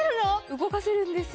動かせるんですよ。